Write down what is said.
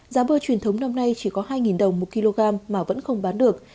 giá bơ truyền thống năm nay chỉ có hai đồng một kg mà vẫn không bán được